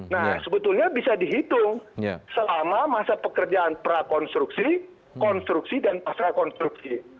nah sebetulnya bisa dihitung selama masa pekerjaan prakonstruksi konstruksi dan pas rekonstruksi